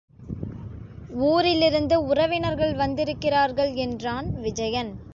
ஊரிலிருந்து உறவினர்கள் வந்திருக்கிறார்கள், என்றான் விஜயன்.